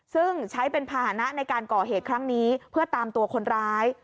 ซึ่งใช้เป็นภาษณะในการก่อเหตุครั้งนี้เพื่อตามตัวคนร้าย